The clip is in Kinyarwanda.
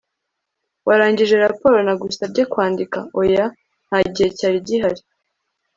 warangije raporo nagusabye kwandika? oya. nta gihe cyari gihari